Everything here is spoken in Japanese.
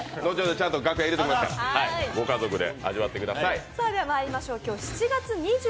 ちゃんと楽屋に入れておきますからご家族でいただいてください。